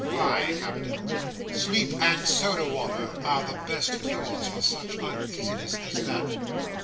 Fie, Captain! Sleep, and soda water, are the best cures for such uneasiness as that."